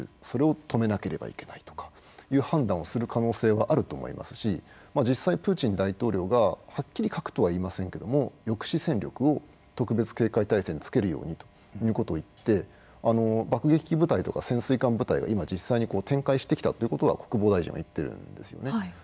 それを止めなければいけないとかいう判断をする可能性はあると思いますし実際プーチン大統領がはっきり核とは言いませんけども抑止戦力を特別警戒態勢につけるようにということを言って爆撃機部隊とか潜水艦部隊が今実際に展開してきたということは国防大臣が言ってるんですよね。